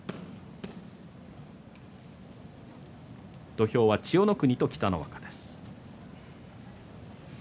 土俵は千代の国と北の若です。